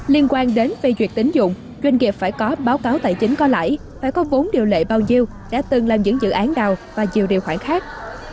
liên quan đến phê duyệt tín dụng doanh nghiệp phải có báo cáo tài chính có lãi phải có vốn điều lệ bao nhiêu đã từng làm những dự án nào và nhiều điều khoản khác